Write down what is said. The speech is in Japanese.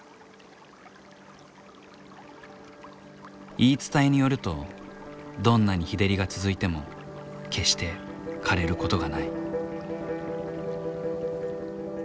言い伝えによるとどんなに日照りが続いても決してかれることがない。